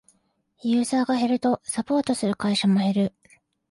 ユーザーが減るとサポートする会社も減る